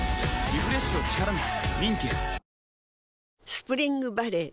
スプリングバレー